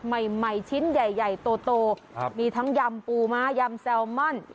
ใหม่ชิ้นใหญ่โตมีทั้งยำปูม้ายำแซลมอน